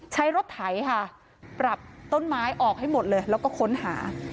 ใช้รถไถค่ะปรับต้นไม้ออกให้หมดเลยแล้วก็ค้นหา